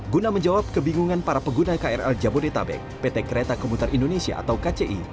guna menjawab kebingungan para pengguna krl jabodetabek pt kereta komuter indonesia atau kci